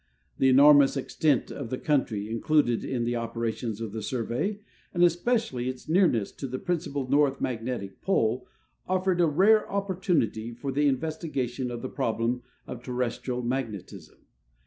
The enormous extent of the country included in the operations of the Survey, and especially its nearness to the principal north magnetic pole, offered a rare opportunity for the investigation of the problem of terrestrial magnetism.